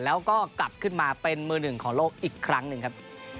แล้วก็กลับขึ้นมาเป็นมือหนึ่งของโลกอีกครั้งหนึ่งครับ